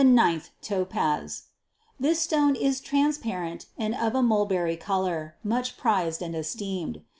293. "The ninth, topaz." This stone is transparent and of a mulberry color, much prized and esteemed.